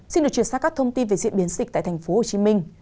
xin được truyền sát các thông tin về diễn biến dịch tại tp hcm